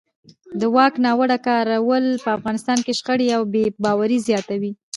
د واک ناوړه کارول په افغانستان کې شخړې او بې باورۍ زیاتوي